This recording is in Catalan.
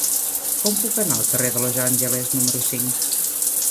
Com puc anar al carrer de Los Angeles número cinc?